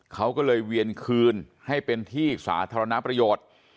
เขาก็เลยเวียนคืนให้เป็นที่สาธารณประโยชน์